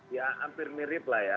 ya hampir mirip lah ya